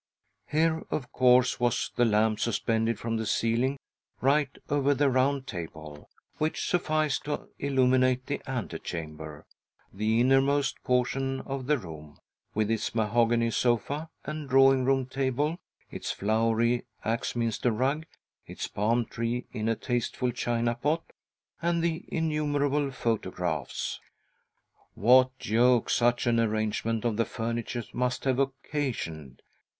Here, of course, was the lamp, suspended from the ceiling, right over the round table, which sufficed to illum inate the ante chamber — the innermost portion of the room— with its mahogany sofa and drawing room table, its flowery Axminster rug, its palm tree in a tasteful china pot, and the innumerable photographs !. What jokes such an arrangement of the furniture must have occasioned.